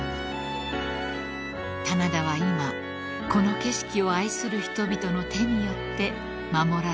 ［棚田は今この景色を愛する人々の手によって守られているのです］